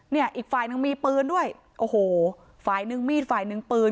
อีกฝ่ายนึงมีปืนด้วยโอ้โหฝ่ายหนึ่งมีดฝ่ายหนึ่งปืน